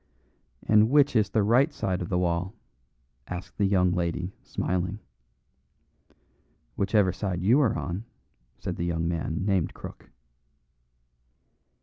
"And which is the right side of the wall?" asked the young lady, smiling. "Whichever side you are on," said the young man named Crook.